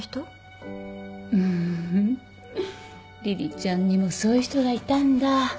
りりちゃんにもそういう人がいたんだ。